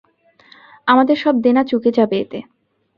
আমাদের সব দেনা চুকে যাবে এতে।